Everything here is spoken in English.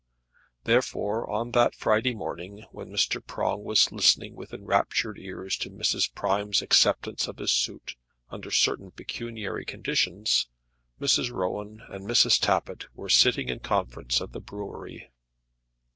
Therefore on that Friday morning, when Mr. Prong was listening with enraptured ears to Mrs. Prime's acceptance of his suit, under certain pecuniary conditions, Mrs. Rowan and Mrs. Tappitt were sitting in conference at the brewery.